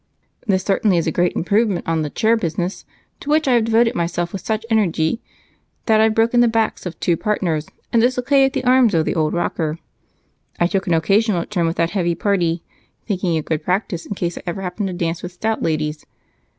"This certainly is a great improvement on the chair business, to which I have devoted myself with such energy that I've broken the backs of two partners and dislocated the arm of the old rocker. I took an occasional turn with that heavy party, thinking it good practice in case I ever happen to dance with stout ladies."